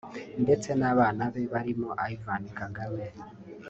ndetse n’abana be barimo Ivan Kagame